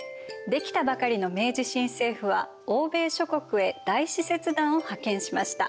出来たばかりの明治新政府は欧米諸国へ大使節団を派遣しました。